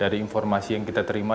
dari informasi yang kita terima